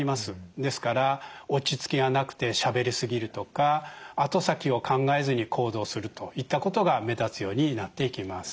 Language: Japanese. ですから落ち着きがなくてしゃべり過ぎるとか後先を考えずに行動するといったことが目立つようになっていきます。